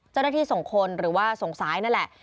เจ้าหน้าที่ส่งคนหรือว่าส่งซ้ายนั่นแหละ